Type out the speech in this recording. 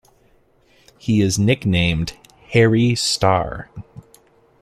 He is nicknamed "Hairy Star".